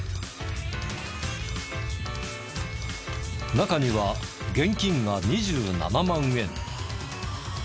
中には現金が２７万円。